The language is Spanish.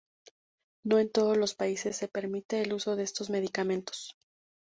No en todos los países se permite el uso de estos medicamentos.